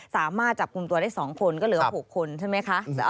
สามารถจับกลุ่มตัวได้๒คนก็เหลือ๖คนใช่ไหมคะ